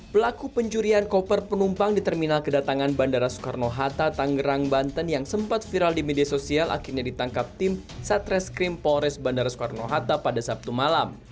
pelaku pencurian koper penumpang di terminal kedatangan bandara soekarno hatta tanggerang banten yang sempat viral di media sosial akhirnya ditangkap tim satreskrim polres bandara soekarno hatta pada sabtu malam